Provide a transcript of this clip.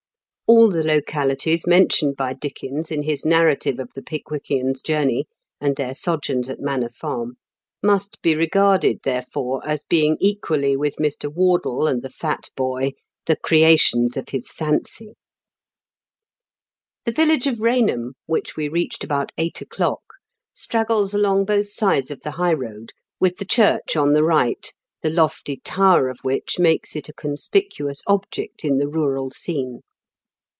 All the localities mentioned by Dickens in his narrative of the Pickwickians' journey and their sojourns at Manor Farm must be regarded, therefore, as being equally with Mr. Wardle and the fat boy the creations of his fancy. The village of Eainham, which we reached about eight o'clock, straggles along both sides of the high road, with the church on the right, the lofty tower of which makes it a conspicuous 0B0HABD8 AND ROP QAMDENS. 115 object in the rural scene.